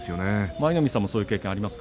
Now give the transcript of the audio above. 舞の海さんもそういう経験ありますか？